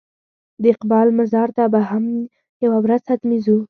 د اقبال مزار ته به هم یوه ورځ حتمي ځو.